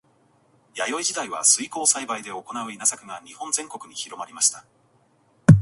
弥生時代は水耕栽培で行う稲作が日本全国に広まりました。